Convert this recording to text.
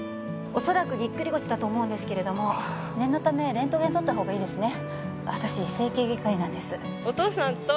おそらくぎっくり腰だと思うんですけれども念のためレントゲン撮った方がいいですね